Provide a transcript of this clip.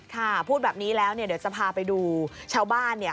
ค่ะพูดแบบนี้แล้วเนี่ยเดี๋ยวจะพาไปดูเช้าบ้านเนี่ย